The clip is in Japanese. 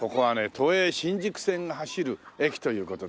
都営新宿線が走る駅という事でね。